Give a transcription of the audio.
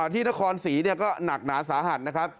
ที่นครศรีก็หนักหนาสาหัสนะครับ